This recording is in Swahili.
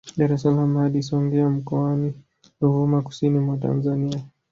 Dar es salaam hadi Songea Mkoani Ruvuma Kusini mwa Tanzania